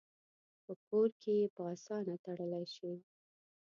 په کور کې یې په آسانه تړلی شي.